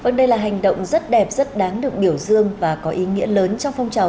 vâng đây là hành động rất đẹp rất đáng được biểu dương và có ý nghĩa lớn trong phong trào